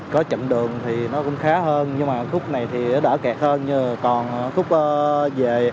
có chậm đường thì nó cũng khá hơn nhưng mà khúc này thì nó đỡ kẹt hơn còn khúc về